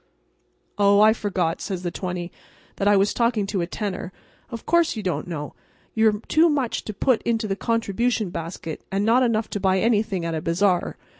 "Oh, I forgot," says the twenty, "that I was talking to a tenner. Of course you don't know. You're too much to put into the contribution basket, and not enough to buy anything at a bazaar.